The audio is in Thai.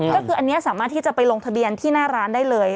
ก็คืออันนี้สามารถที่จะไปลงทะเบียนที่หน้าร้านได้เลย